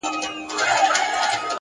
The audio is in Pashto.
صادق زړه پټ ویره نه ساتي.